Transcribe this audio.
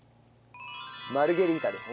マルゲリータです。